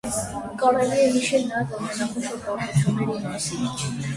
Կարելի է հիշել նաև ամենախոշոր պարտության մասին։